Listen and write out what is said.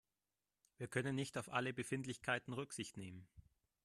Wir können nicht auf alle Befindlichkeiten Rücksicht nehmen.